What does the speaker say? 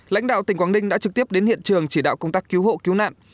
lãnh đạo tỉnh quảng ninh đã trực tiếp đến hiện trường chỉ đạo công tác cứu hộ cứu nạn